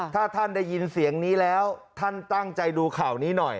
ถ้าท่านได้ยินเสียงนี้แล้วท่านตั้งใจดูข่าวนี้หน่อย